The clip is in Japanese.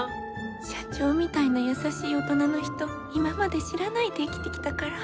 社長みたいな優しい大人の人今まで知らないで生きてきたから。